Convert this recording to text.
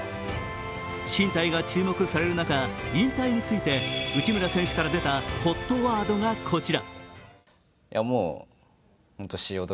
進退が注目される中、引退について内村選手から出たＨＯＴワードがこちら。